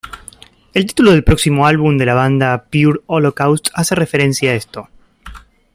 El título del próximo álbum de la banda "Pure Holocaust", hace referencia a esto.